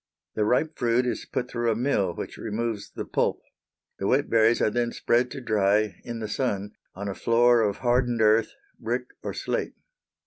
The ripe fruit is put through a mill which removes the pulp. The wet berries are then spread to dry in the sun on a floor of hardened earth, brick or slate.